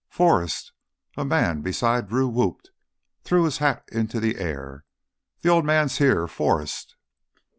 "Forrest!" A man beside Drew whooped, threw his hat into the air. "The old man's here! Forrest!"